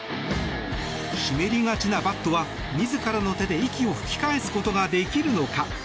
湿りがちなバットは自らの手で息を吹き返すことができるのか。